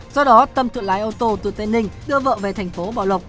do đó tâm tự lái ô tô từ tây ninh đưa vợ về tp bảo lộc